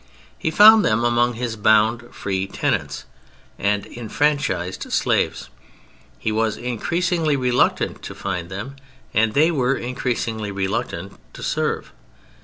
He found them among his bound free tenants and enfranchised slaves; he was increasingly reluctant to find them; and they were increasingly reluctant to serve.